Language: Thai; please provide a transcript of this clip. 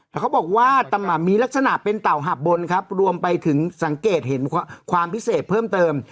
แล้วเขาบอกว่ามีลักษณะเป็นเต่าหับบนครับรวมไปถึงสังเกตเห็นความพิเศษเพิ่มเติม